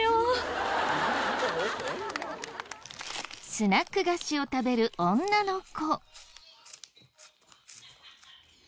スナック菓子を食べる女の子。